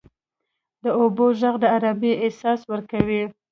• د اوبو ږغ د آرامۍ احساس ورکوي.